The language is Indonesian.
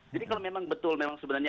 jadi kalau memang betul memang sebenarnya